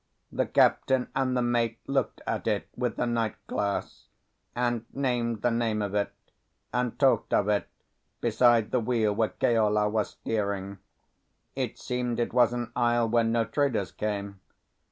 The captain and the mate looked at it with the night glass, and named the name of it, and talked of it, beside the wheel where Keola was steering. It seemed it was an isle where no traders came.